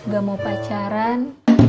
gak mau pacaran